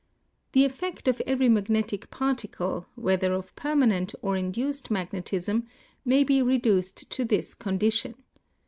The etl'ect of everv magnetic particle, whether of permanent or induced niagiietisnl may be reduced to this condition.